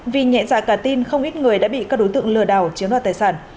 vì nhẹ dạ cả tin không ít người đã bị các đối tượng lừa đảo chiếm đoạt tài sản